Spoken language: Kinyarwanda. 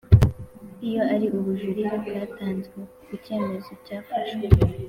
Iyo ari ubujurire bwatanzwe ku cyemezo cyafashwe